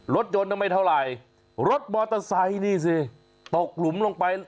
รถยนต์นั้นไม่เท่าไหร่รถมอเตอร์ไซค์นี่สิตกหลุมลงไป